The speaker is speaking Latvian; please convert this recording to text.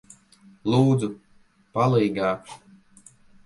Lūdzu, palīgā!